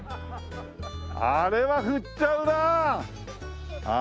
あれは振っちゃうなあ！